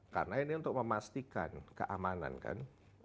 karena ini untuk memastikan keamanan kan